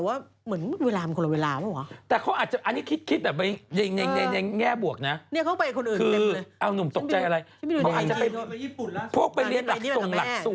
เอ้าเรื่องแมทอยากรู้เรื่องนี้มากเลยไม่รู้เรื่องกับเกิน